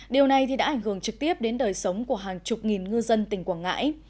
điều này đã ảnh hưởng trực tiếp đến đời sống của hàng chục nghìn ngư dân tỉnh quảng ngãi